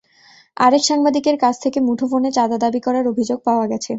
আরেক সাংবাদিকের কাছ থেকে মুঠোফোনে চাঁদা দাবি করার অভিযোগ পাওয়া গেছে।